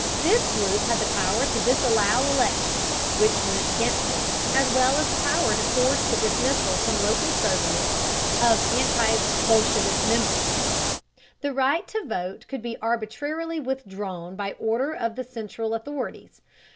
This group had the power to disallow elections which went against it, as well as the power to force the dismissal from local Soviets of anti bolshevist members. The right to vote could be arbitrarily withdrawn by order of the central authorities.